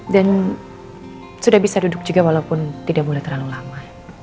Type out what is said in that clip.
dan sudah bisa duduk juga walaupun tidak boleh terlalu lama